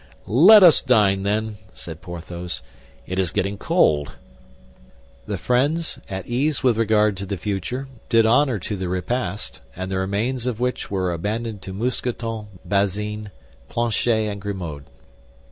"Let us dine, then," said Porthos; "it is getting cold." The friends, at ease with regard to the future, did honor to the repast, the remains of which were abandoned to Mousqueton, Bazin, Planchet, and Grimaud.